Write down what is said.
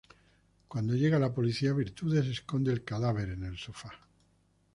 Cuando llega la policía Virtudes esconde el cadáver en el sofá.